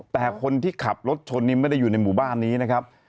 แต่คนที่ขับรถชนนี้ไม่ได้อยู่ในหมู่บ้านนี้นะครับ